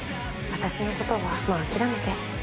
私のことは、もう諦めて。